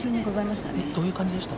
どういう感じでした？